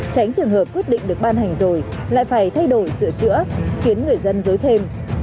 tránh trường hợp quyết định được ban hành rồi lại phải thay đổi sửa chữa khiến người dân dối thêm